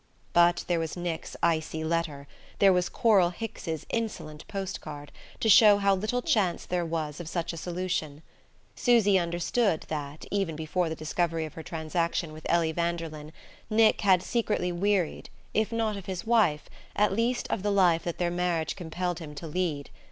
But there was Nick's icy letter, there was Coral Hicks's insolent post card, to show how little chance there was of such a solution. Susy understood that, even before the discovery of her transaction with Ellie Vanderlyn, Nick had secretly wearied, if not of his wife, at least of the life that their marriage compelled him to lead.